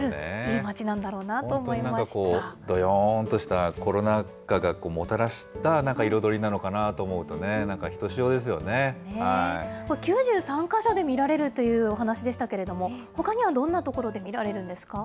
本当になんかこう、どよーんとしたコロナ禍がもたらしたなんか彩りなのかなと思うとこれ、９３か所で見られるというお話でしたけれども、ほかにはどんな所で見られるんですか。